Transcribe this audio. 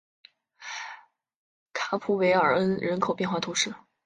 卡普韦尔恩人口变化图示